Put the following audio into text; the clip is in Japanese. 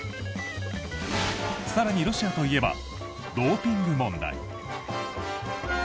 更に、ロシアといえばドーピング問題。